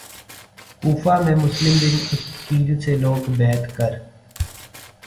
کوفہ میں مسلم بن عقیل سے لوگ بیعت کر